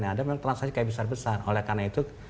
ada memang transaksi kayak besar besar oleh karena itu